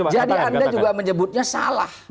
jadi anda juga menyebutnya salah